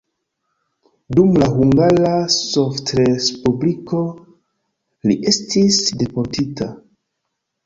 Dum la Hungara Sovetrespubliko li estis deportita.